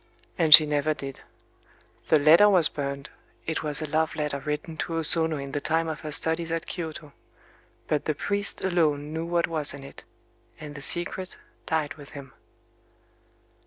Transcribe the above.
And she never did. The letter was burned. It was a love letter written to O Sono in the time of her studies at Kyōto. But the priest alone knew what was in it; and the secret died with him.